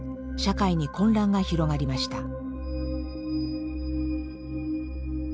社会に混乱が広がりました。